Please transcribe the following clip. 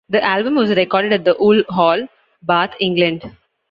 The album was recorded at the Wool Hall, Bath, England.